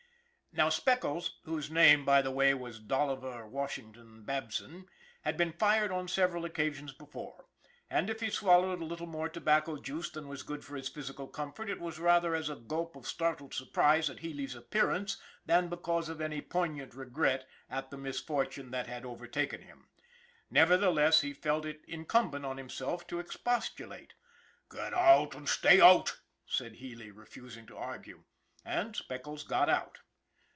Now, Speckles whose name, by the way, was Dolivar Washington Babson had been fired on several occasions before, and if he swallowed a little more tobacco juice than was good for his physical comfort it was rather as a gulp of startled surprise at Healy's appearance than because of any poignant regret at the misfortune that had overtaken him. Nevertheless, he felt it incumbent on himself to ex postulate. " Git out an' stay out !" said Healy, refusing to argue. And Speckles got out.